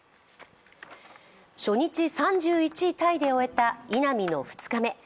初日３１位タイで終えた稲見の２日目。